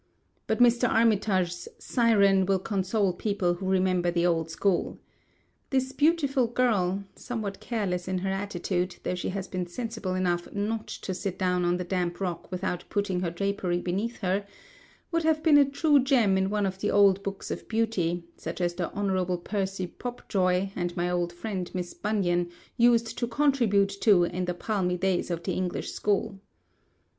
But Mr. Armitage's "Siren" will console people who remember the old school. This beautiful girl (somewhat careless in her attitude, though she has been sensible enough not to sit down on the damp rock without putting her drapery beneath her) would have been a true gem in one of the old Books of Beauty, such as the Honourable Percy Popjoy and my old friend, Miss Bunnion, used to contribute to in the palmy days of the English school.